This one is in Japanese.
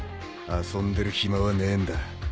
遊んでる暇はねえんだ。